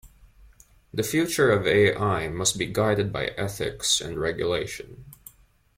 The future of A-I must be guided by Ethics and Regulation.